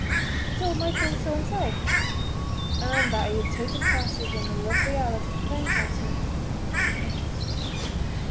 He told Michael so himself—and that he had taken passage on the Lovely Alice to Pencastle.